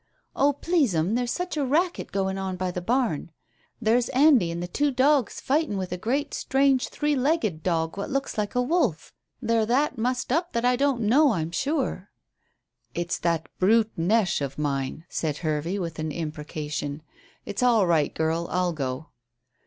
"Oh, please, 'm, there's such a racket going on by the barn. There's Andy an' the two dogs fighting with a great, strange, three legged dog wot looks like a wolf. They're that mussed up that I don't know, I'm sure." "It's that brute Neche of mine," said Hervey, with an imprecation. "It's all right, girl; I'll go."